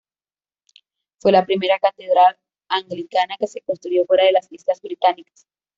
Fue la primera catedral anglicana que se construyó fuera de las Islas Británicas.